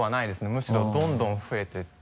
むしろどんどん増えてって。